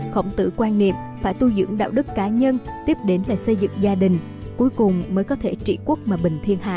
khổng tử quan niệm phải tu dưỡng đạo đức cá nhân tiếp đến là xây dựng gia đình cuối cùng mới có thể trị quốc mà bình thiên hạ